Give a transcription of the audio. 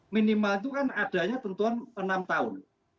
minimal itu kan adanya tentuan enam tahun